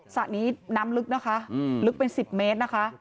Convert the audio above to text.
สระนี้น้ำลึกนะคะลึกเป็น๑๐เมตรนะคะ